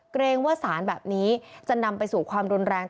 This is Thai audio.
เกรงว่าสารแบบนี้จะนำไปสู่ความรุนแรง